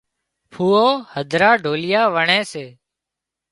ڦوئو هڌرا ڍوليئا وڻي سي